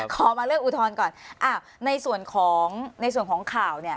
ขอมาเรียกอุทนก่อนอ่าในส่วนของในส่วนของข่าวเนี้ย